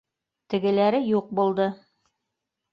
— Тегеләр юҡ булды